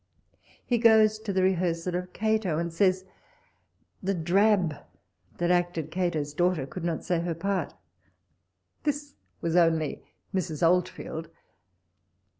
He goes to the re hearsal of " Cato," and says the drab that acted Cato's daughter could not say her part. This was only Mrs. Oldfield.